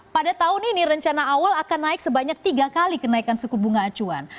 pada tahun ini rencana awal akan naik sebanyak tiga kali kenaikan suku bunga acuan